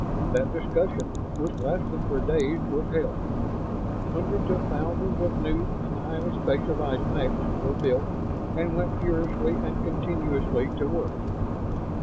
That discussion, which lasted for days, was held. Hundreds of thousands of new and highly specialized mechs were built and went furiously and continuously to work.